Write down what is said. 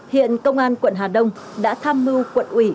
hiện công an quận hà đông đã tham mưu quận ủy